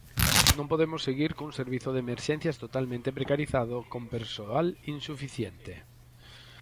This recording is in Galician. Non podemos seguir cun servizo de emerxencias totalmente precarizado, con persoal insuficiente.